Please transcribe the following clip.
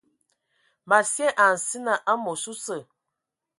Ma sye a nsina amos osə.